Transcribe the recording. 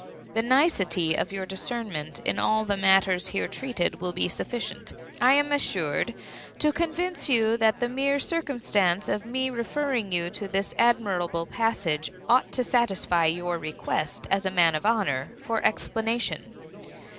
The nicety of your discernment in all the matters here treated, will be sufficient, I am assured, to convince you that the mere circumstance of me referring you to this admirable passage, ought to satisfy your request, as a man of honor, for explanation.